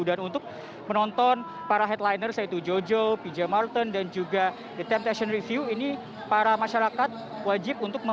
dan untuk menonton para headliner yaitu jojo pj martin dan juga the temptation review ini para masyarakat wajib untuk menonton